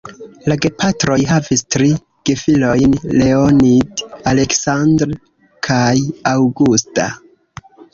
La gepatroj havis tri gefilojn: Leonid, "Aleksandr" kaj "Aŭgusta".